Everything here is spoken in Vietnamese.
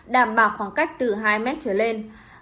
đảm bảo khoảng cách từ hai m trở lên